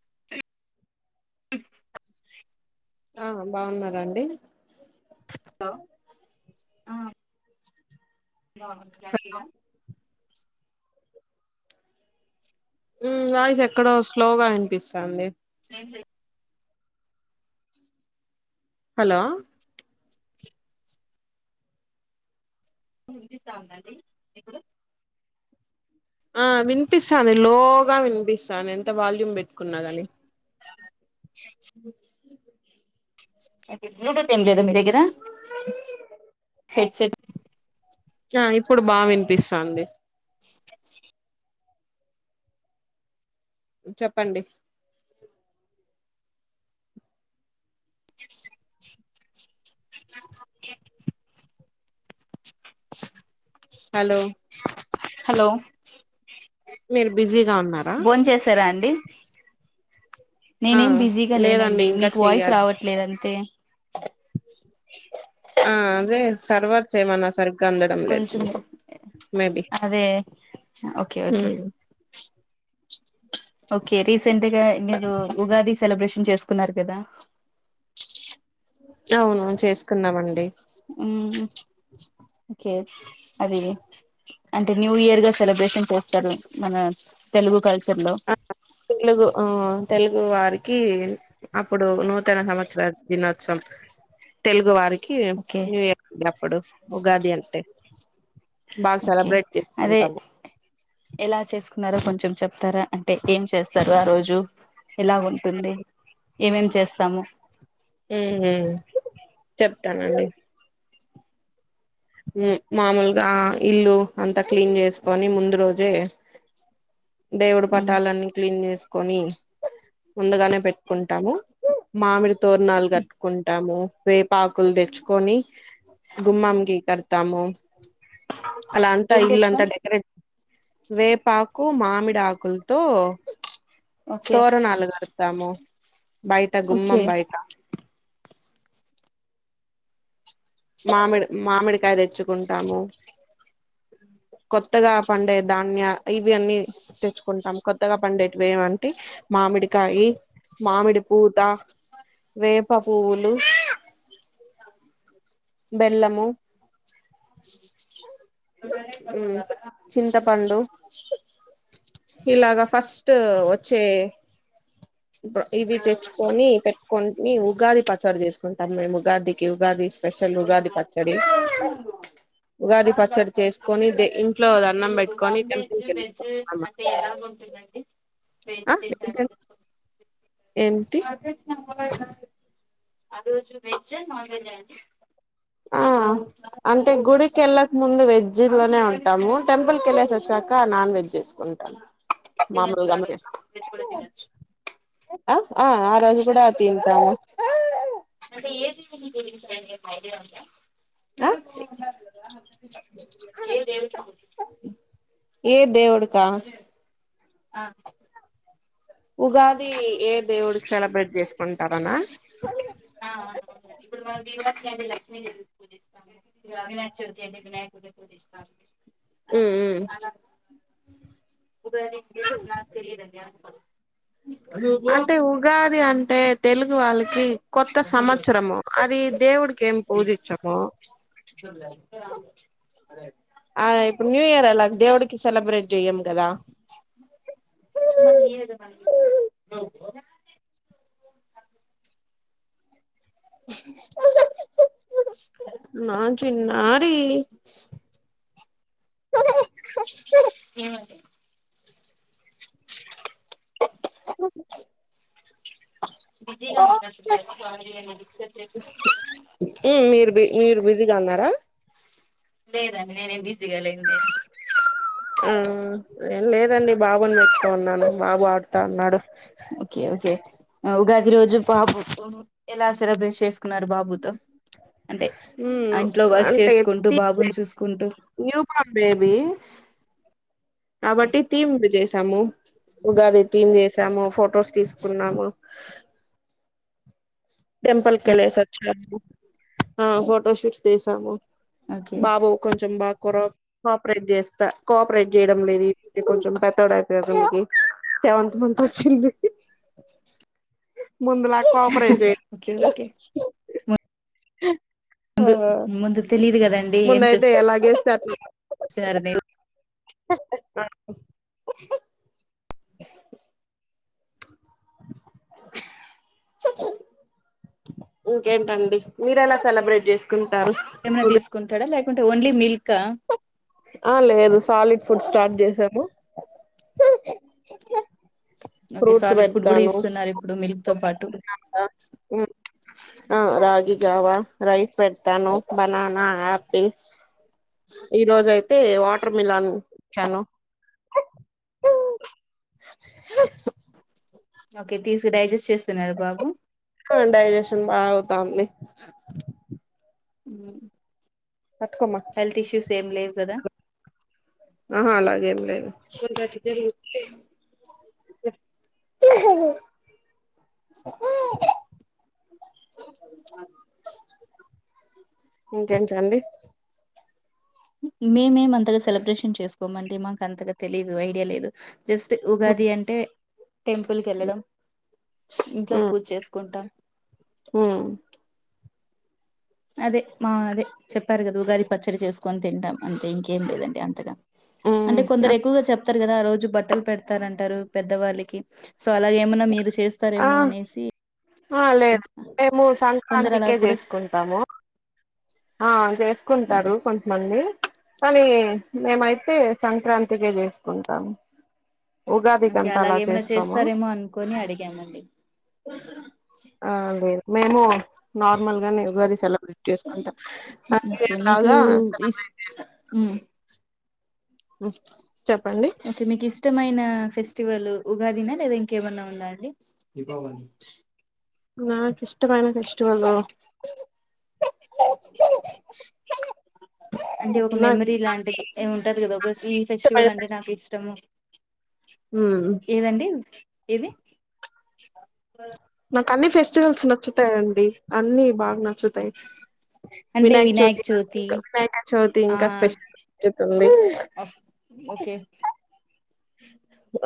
అ ఆ బాగున్నారా అండి హలో బాగున్నా మండి ఇగ ఉమ్ వాయిస్ ఎక్కడో స్లోగా వినిపిస్తాంది ఏ హలో వినిపిస్తాందా అండి ఇప్పుడు ఆ వినిపిస్తంది లోగా వినిపిస్తుంది ఎంత వాల్యూమ్ పెట్టుకున్న కానీ ఓ బ్లూటూత్ ఏం లేదు మ మీరగర హెడ్సెట్ ఆ ఇప్పుడు బాగా వినిపిస్తంంది చెప్పండి హలో హలో మీరు బిజీ కాన్ భోన్ చేసారా అండి ఆ నేనేం బిజీగా లేదండి లేనండి ఇంకా మీకు వాయిస్ చెయ్యాలి రావట్లేదుంతే ఆ అదే సర్వార్ చేయమ నా సరిగ్గా అందడం లేదు కొంచెం మేబి అదే ఓకే ఓకే ఓకే రీసెంట్గా మీరు ఉగాది సెలబ్రేషన్ చేసుకో ప్పన్నారు కదా అవునును చేసుకున్నామండి ఓకే అది కల్చర్ లో ఆ తెలుగు ఆ తెలుగు వారికి అప్పుడు నూతన సంవత్సర దినోత్ కొం తెలుగు వారికి ఓకే న్యూ ఇయర్ ఉే అప్పుడు ఉగాది అంటే బాగా ఓకే సెలబ్రేట్ అదే చేసుకుంటాము ఎలా చేసుకున్నారో కొెం కొంచెం చెప్తారా అంటే ఏం చేస్తారు ఆ రోజు ఇలా ఉంటుంది ఏమేం చేస్తాము హ చెప్తానుండి మామూలుగా ఇల్లు అంతా క్లీన్ చేసుకొని ముందు రోజే అ దేవుడి పటాలన్నీ క్లీన్ చేస్తా ని ముందుగానే పెట్టుకుంటాము మామిడి తోరణాలు కట్టుకుంటాము వేపాకులు తెచ్చుకొని గుమ్మం గ తము అలా అంత ఏం ఇల్ అంత తెచ్చుకొని డెకరేట్ వేపాకు మామిడి ఆకులతో ఓకే తోరణాలు కడతాను బయట ఓకే గుమ్మం బయటా మామిడి మామిడికాయ తెచ్చుకుంటాము అ కొత్తగా పండే ధాన్య ఇవి అన్నీ తెచ్చుకుంటాం కొత్తగా పండేటివి ఏమంటే మామిడికాయ మామిడి పూత వేప పూలు బెల్లము చింతపండు ఇలాగా ఫస్ట్ వచ్చే ఇవి తెచ్చుకొని పెట్టుకుని ఉగాది పచారు చేసుకుంటాం మేము ఉగాదికి ఉగాది స్పెషల్ ఉగాది పచ్చడి ఉగాది పచ్చడి చేసుకొని ఇంట్లో దండం మీరు పెట్టు కొనీ నాన్ టెంపుల్ వెజ్ కి వెళ్ళి వెజ్ అంటే ఎలాగ ఉంటుందండి వెజ్ ఆ తింటారు ఇకా ఏంటి అజ వెజ్ నన్ వెజ్ అండి ఆ అంటే గుడికిెళ్ళక ముందు వెజి లోనే ఉంటంది ంటాము టెంపుల్ క వెళ్ళసి వచ్చాక నాన్ వెజ్ చేసుకుంటాము తినచ్చ మామూలుగా ఆ రోజు నాన్ వెజ్ కూడా తినచూ ఆ ఆ ఆ రోజు కూడా తింటాను అంటే ఏజ [inaudible] [unintelligible] ఆ ఏ దేవుని గురించి ఏ దేవుడుకా ఆ ఉగాది ఏ దేవుడికి సెలబ్రేట్ చేసుకుంటారనా ఆ అవుం ఇప్పుడు మనం దీరలక్ష్మి అండి లక్ష్మీదేవికి పూజిస్తాము ఇ అవినాశ చవితి అండి వినాయ పూజిస్తాం ఉమ్ ఉమ్ అలా ఉగాారింది నా తెలిదనే అంటే ఉగాది అంటే తెలుగు వాళ్ళకి కొత్త సంవత్సరము అది దేవుడికి ఏం పూజించము చ అదే అ ఆ ఇప్పుడు న్యూ ఇయర్ అలా దేవుడికి సెబ్రేట్ మ నరుద మం బఓ [inaudible] నా చిన్నారి ఏమ [inaudible] బీసీగా ఉనాయి ఉనారు [inaudible] మీరు మీరు బిజీగా ఉన్నారా లేదండి నేను ఏం బిజీగలేను ఆ ఏం లేదండి బాబుని మెచ్చుకు ఉన్నాను బాబు ఆడుతా ఉన్నాడు ఓకే ఓకే ఉగాది రోజు బాబుతో ఎలా సెలబ్రేట్ చేసుకున్నారు బాబుతో అంటే అంట్లో వర్క్ చేసుకుంటూ బాబ యూ బోర్న్ బేబీ [unintelligible] కాబట్టి తింది చేసాము ఉగాది థమ్ చేసాము ఫొటోస్ తీసుకున్నాము టెంపుల్ క వెళ్ళసి వచ్చాము ఆ ఫోటోషూట్స్ తీసాము ఓకే బాబు కొంచెం బాగా కోఆపరేట్ చేస్తా కోఆపరేట్ చేయడం లేదు కొంచెం పెత్తడ అయిపోయకి సెవంత్ మంతంత్ వచ్చింది ముందులాక కాపరాేజ ఓకే ఓకే హోం ముందు ముందు తెలియదు కదండి ఏం చే ముందయితే ఎలాగేస్తే హా హహ [unintelligible] ఇంకేంటండి మీర ఎలా సెలబ్రేట్ చేసుకుం ఏమైనా తీసుకుంటాడా లేకుంటే ఓన్లీ మిల్కా ఆ లేదు సాలిడ్ ఫుడ్ స్టార్ట్ చేసాము ఓకే ఫ్రూట్స్ సాలిడ్ ఫుడ్ కూడా పెడతాను ఇస్తున్నారు ఇప్పుడు మిల్క్ తో పాటు ఆ రగి జావా రైస్ పెడతాను బనానా ఆపిల్ ఈ రోజ అయితే వాటర్ మిలాన్ చను [inaudible] ఓకే తీసుకు డైజెస్ట్ చేస్తున్నారు బాబు తంది హెల్త్ ఇష్యూస్ ఏం లేవు కదా ఆహా అలాగే ఏం లేదు అఓ ఇంకేంటియండి మేమేం అంతగా సెలబ్రేషన్ చేసుకోమండి మాకు అంతగా తెలిదు ఐడియా లేదు జస్ట్ ఉగాది అంటే టెంపుల్ కళ్ళడం ఇంట్లో పూజ చేసుకుంటాం ఉమ్ అదే మా అదే చెప్పారు కదా ఉగాది పచ్చడి చేసుకొని తింటాం అంతే ఇంకేం లేదండి అంతగా అంటే కొందరు ఎక్కువగా చెప్తారు కదా ఆ రోజు బట్టలు పెడతారంటారు పెద్దవాళ్ళకి సో అలా ఎమన్నా మీరు చేస్తారేమో ఆ అనేసి ఆ లేదు మేము కొందరు అలా సంక్రాంతికే కూడా స్ చేసుకుంటాము ఆ ఓకే. చేసుకుంటారు కొంతమంది కానీ మేమైతే సంక్రాంతికే చేసుకుంటాం నాకి అలాగేమైనా చేస్తారేమో అనుకోని అడిగామండి ఆ లేదు మేము నార్మల్ గానే ఉగాది సెలబ్ర్రిటీ చేసుకుంటాం [unintelligible] లాగా సెలబ్రట్ ఉ చెప్పండి ఇష్టమైన ఫెస్టివల్ ఉగాదిన లేదా ఇంకేమన్నా ఉందా అండి నాకు ఇష్టమైన ఫెస్టివల్ లు అంటే ఒక నాకు మెమరీ లాంటిది ఈ ఉంటది కదా ఒక ఈ ఇష్టమైన ఫెస్టివల్ అంటే నాకు ఇష్టము ఉమ్ ఏదండి ఏది నాకు అన్ని ఫెస్టివల్స్ నచ్చుతాయిండి అన్నిీ బాగా నచ్చుతాయి వినాయక చవితి [unintelligible] వినాయక చవితి ఆ! ఇంకా స్పెషల్ నచ్చుతుంది ఓకే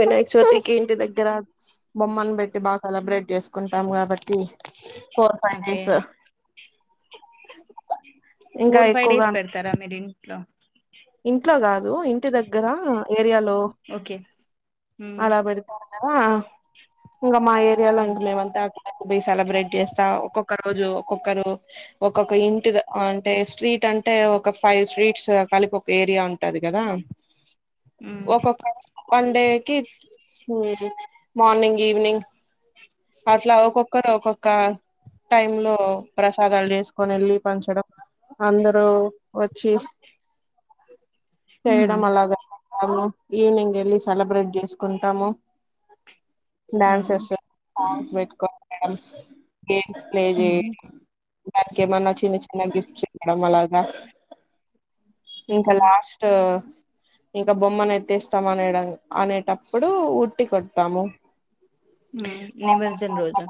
వినాయక చవితికి ఇంటి దగ్గర బొమ్మను పెట్టి బాగా సెలబ్రేట్ చేస్ కుంటాం కాబట్టి ఫోర్ ఫైవ్ ఓకే. డేస్ ఇంకా ఫోర్ ఫైవ్ ఎక్కువగా డేస్ పెడతారా మీరు ఇంట్లో ఇంట్లో కాదు ఇంటి దగ్గర ఏరియాలో ఓకే హ్మ్ అలా పెడత [unintelligible] ఇంకా మా ఏరియా లో హ్మ్ ఇంకా మేం అంతా పోయి సెలబ్రేట్ చేస్తా ఒక్కొక్క రోజు ఒక్కొక్కరు ఒక్కొక్క ఇంటి అంటే స్ట్రీట్ అంటే ఒక ఫైవ్ స్ట్రీట్స్ కలిపి ఒక ఏరియా ఉంటది కదా ఉమ్ ఒక్కొక్క వన్ డేకి హ్మ్ మార్నింగ్ ఈవినింగ్ అట్లా ఒక్కొక్కరు ఒక్కొక్క టైమ్ లో ప్రసాదాలు చేసుకొని వెళ్ళి పంచడం అందరూ వచ్చి చేయడం హ్మ్ అలాగా మ్మ్ ఈవనింగ్ వెళ్ళి సెలబ్రేట్ చేసుకుంటాము ఉమ్ డాన్సెస్ సాంగ్స్ [unintelligible] గేమ్స్ ప్లే చే హ్మ్ దానికి ఏమన్నా చిన్న చిన్న గిఫ్ట్స్ ఇవడం అలాగా ఇంకా హ్మ్ లాస్ట్ ఇంకా బొమ్మను ఎత్తేస్తాం అనేడం అనేటప్పుడు ఉట్టి కొడతాము హ్మ్ నిమజ్జనం రోజు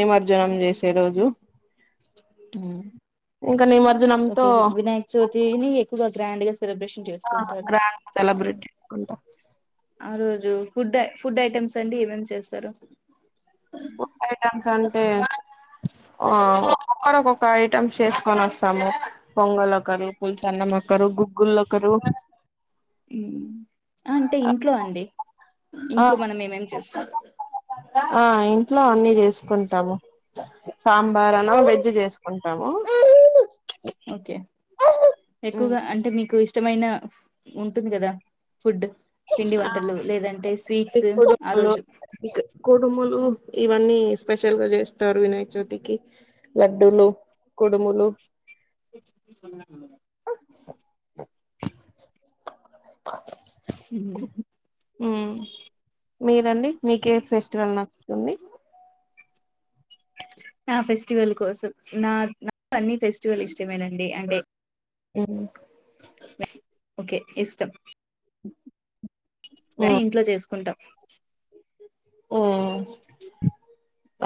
నిమర్జనం చేసే రోజు ఇంకా నిమజ్జనంతో ఓకే వినాయక చవితిని ఎక్కువగా గ్రాండ్గా సెలబ్రేషన్ చేసుకుంటారు గ్రాండ్ సెలబ్రేట్ చేసుకుంటాం ఆ రోజు రు ఫుడ్ ఫుడ్ ఐటెమ్స్ అండి ఏమేమి చేస్తారు ఫుడ్ ఐటమ్స్ అంటే ఆ ఒ ఒకక్కరుక్కొక్క ఐటమ్స్ చేసుకొని వస్తాము పొంగల్ ఒకరు పోల్సనా మా క గుగగల్ లో హ్మ్ అంటే ఇంట్లో అండి ఇంట్లో మనం ఏమేం చేసుకోాలం ఆ ఇంట్లో అన్ని చేసుకుంటాము సాంబార్ అన వెజ్ చేసుకుంటా కమ ఓకే ఎక్కువగా అంటే మీకు ఇష్టమైన ఉంటుంది కదా ఫుడ్ పిండి వంటలు లేదంటే స్వీట్స్ ఆ ఆడులు రోజు ఇ కొడుములు ఇవన్నీ స్పెషల్ గా చేస్తారు వినాయక చవితికి లడ్డులు కుడుములు న్నా ఉ మీరండి మీకే ఫెస్టివల్ నచ్చుతుంది నా ఫెస్టివల్ కోసం నా నాకు అన్ని ఫెస్టివల్ ఇష్టమేనండి అంటే అ ఓకే ఇష్టం ఇంట్లో చేసుకుంటాం ఆ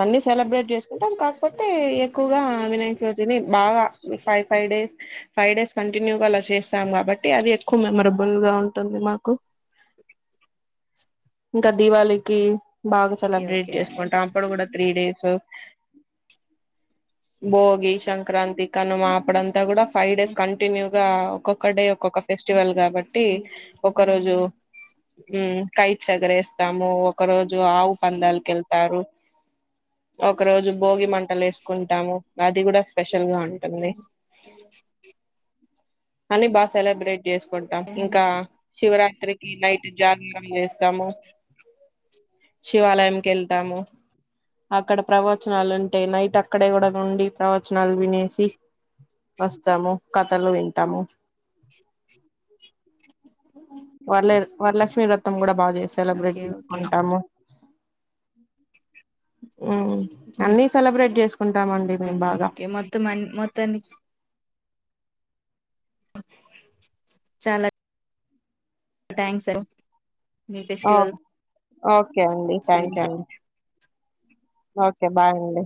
అన్ని సెలబ్రేట్ చేసుకుంటాం కాకపోతే ఎక్కువగా వినాయక రోజుని బాగా five five days five days కంటిన్యూగా అలా చేస్తాం కాబట్టి అది ఎక్కువ మెమరబుల్ గా ఉంటుంది మాకు ఇంకా దీవళికి బాగా ఓకే సెలబ్రేట్ ఓకే అండి చేసుకుంటాం అప్పుడు కూడా త్రీ డేస్ భోగి సంక్రాంతి కనుమా అప్పుడు అంతా కూడా ఫైవ్ డేస్ కంటిన్యూగా ఒక్కొక్క డే ఒక్కొక్క ఫెస్టివల్ కాబట్టి ఒక రోజు ఉ కైట్స్ రేస్తాము ఒక రోజు ఆవు పందాలక వెళ్తారు ఒక రోజు భోగి మంటలు వేసుకుంటాము అది కూడా స్పెషల్ గా ఉంటుంది అని బా సెలబ్రిటీ చేసుకుంటాం ఓకే ఇంకా అండి శివరాత్రికి నైట్ జాగరం చేస్తాము శివాలయంకి వెళ్తాము అక్కడ ప్రవచనాలు అంటే నైట్ అక్కడే కూడా ఉండి ప్రవచనాలు వినేసి వస్తాము కథలు వింటాము వరల వరలక్ష్మి వ్రతం కూడా బాగా ఓకే ఓకే సెలబ్రేట్ంటాము ఉమ్, అన్నిీ సెలబ్రేట్ చేస్త ఓకే మొత్తం మొత్తాన్ని చాలా థ్యాంక్స్ స మీ ఓ ఫెస్టివల్స్ ఓకే అండి థ్యాంక్ యూ గురించి అండి ఓకే అండి